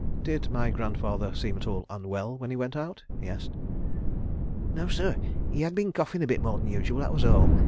"Did my grandfather seem at all unwell when he went out?" he asked. "No, sir. He had been coughing a bit more than usual that was all.